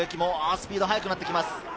スピードが早くなってきます。